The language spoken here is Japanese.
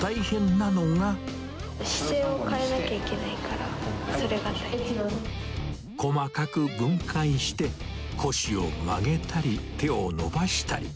姿勢を変えなきゃいけないか細かく分解して、腰を曲げたり、手を伸ばしたり。